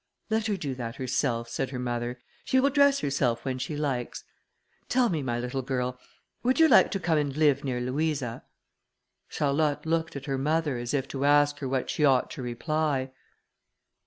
"Let her do that, herself," said her mother; "she will dress herself when she likes. Tell me, my little girl, would you like to come and live near Louisa?" Charlotte looked at her mother, as if to ask her what she ought to reply.